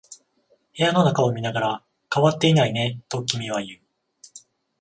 部屋の中を見ながら、変わっていないねと君は言う。